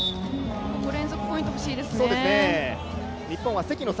ここは連続ポイントが欲しいですね。